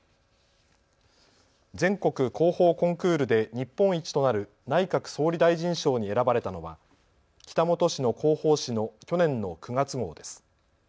全国広報コンクールで日本一となる内閣総理大臣賞に選ばれたのは北本市の広報紙の去年の９月号です。